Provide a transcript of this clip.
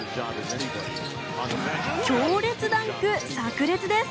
強烈ダンクさく裂です。